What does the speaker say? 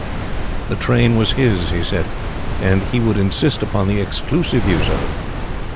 The train was his, he said, and he would insist upon the exclusive use of it.